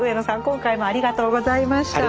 今回もありがとうございました。